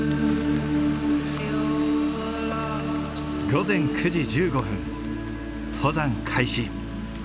午前９時１５分登山開始。